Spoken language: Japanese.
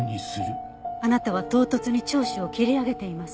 あなたは唐突に聴取を切り上げています。